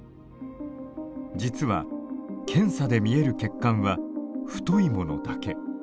実は検査で見える血管は太いものだけ。